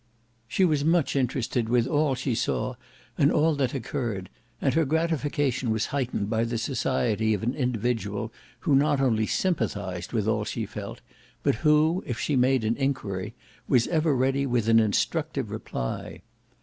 She was much interested with all she saw and all that occurred, and her gratification was heightened by the society of an individual who not only sympathised with all she felt, but who, if she made an inquiry, was ever ready with an instructive reply.